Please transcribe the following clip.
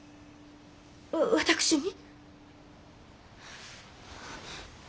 私に？